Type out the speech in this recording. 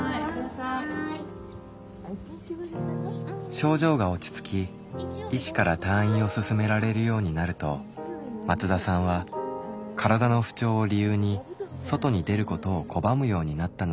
症状が落ち着き医師から退院を勧められるようになると松田さんは体の不調を理由に外に出ることを拒むようになったのです。